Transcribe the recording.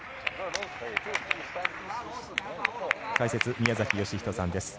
解説、宮崎義仁さんです。